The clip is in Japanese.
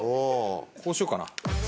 こうしようかな。